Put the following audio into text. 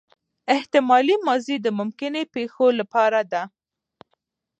احتمالي ماضي د ممکنه پېښو له پاره ده.